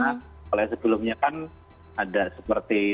karena kalau yang sebelumnya kan ada seperti